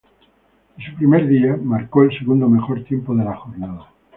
En su primer día, marcó el segundo mejor tiempo de la jornada.